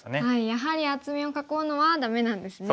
やはり厚みを囲うのはダメなんですね。